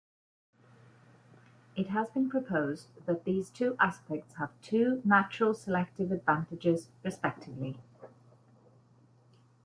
It has been proposed that these two aspects have two natural selective advantages respectively.